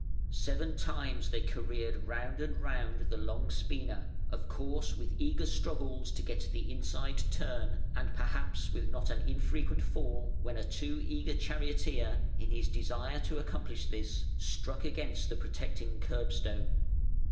Seven times they careered round and round the long spina, of course with eager struggles to get the inside turn, and perhaps with a not infrequent fall when a too eager charioteer, in his desire to accomplish this, struck against the protecting curbstone.